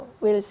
kita akan lihat